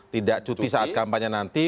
tidak cuti saat kampanye nanti